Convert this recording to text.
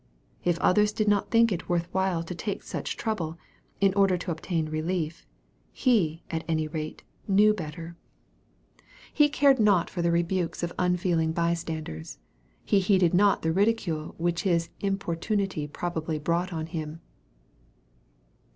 If others d'd not think it worth while to take such trouble, in order to obtain relief, he, *bt any rate, knew better. He cared 224 EXPOSITORY THOUGHTS. not for the rebukes of unfeeling bystanders. He heedfcd not the ridicule which his importunity probably brought on him.